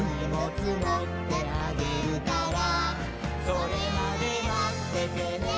「それまでまっててねー！」